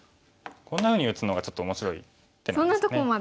こんなふうに打つのがちょっと面白い手なんですね。